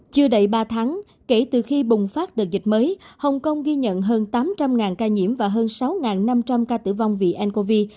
chưa đầy ba tháng kể từ khi bùng phát đợt dịch mới hồng kông ghi nhận hơn tám trăm linh ca nhiễm và hơn sáu năm trăm linh ca tử vong vì ncov